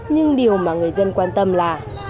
nhưng điều mà người dân quan tâm là